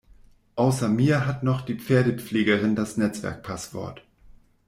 Außer mir hat noch die Pferdepflegerin das Netzwerk-Passwort.